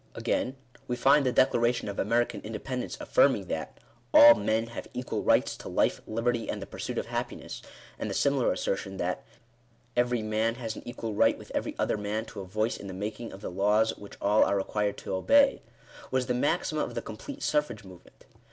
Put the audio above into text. Again, we find the declaration of American independence affirming that " all men have equal rights to life, liberty, and the pursuit of happiness ;" and the similar assertion that " every man has an equal right with every other man to a voice in the making of the laws which all are required to obey," was the maxim of the Complete Suffrage movement.